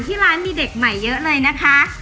ที่ร้านมีเด็กใหม่เยอะเลยนะคะ